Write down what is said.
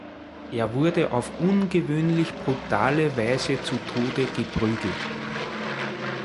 Er wurde auf ungewöhnlich brutale Weise zu Tode geprügelt.